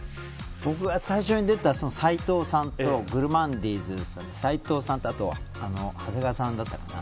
僕は最初に出たさいとうさんとグルマンディーズでさいとうさんと長谷川さんだったかな。